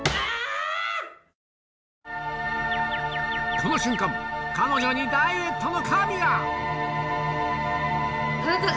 この瞬間彼女にダイエットの神が！